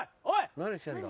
何してんだ？